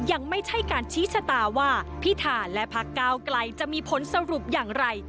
ที่การชี้ชะตาว่าพิธาและพระกาวกลัยจะมีผลสรุปอย่างไร